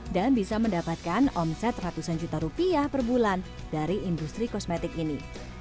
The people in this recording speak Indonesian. dan bisa mendapatkan omset ratusan juta rupiah per bulan dari industri kosmetik ini